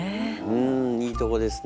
うんいいとこですね。